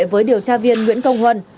với điều tra viên nguyễn công huân